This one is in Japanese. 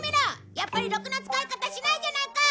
やっぱりろくな使い方しないじゃないか！